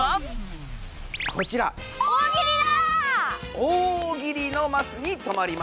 大喜利のマスにとまりました。